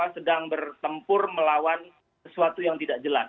sedang bertempur melawan sesuatu yang tidak jelas